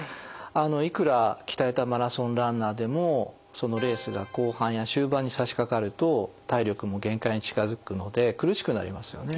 いくら鍛えたマラソンランナーでもそのレースが後半や終盤にさしかかると体力も限界に近づくので苦しくなりますよね。